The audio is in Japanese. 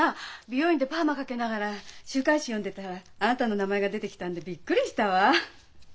美容院でパーマかけながら週刊誌読んでたらあなたの名前が出てきたんでびっくりしたわ。